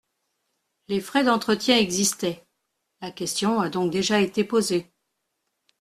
Les frais d’entretien existaient : la question a donc déjà été posée.